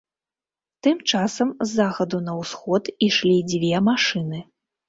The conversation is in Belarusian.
Тым часам з захаду на ўсход ішлі дзве машыны.